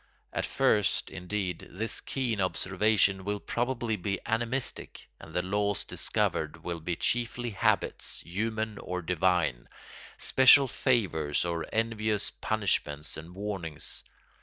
At first, indeed, this keen observation will probably be animistic and the laws discovered will be chiefly habits, human or divine, special favours or envious punishments and warnings.